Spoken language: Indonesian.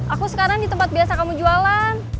aku sekarang di tempat biasa kamu jualan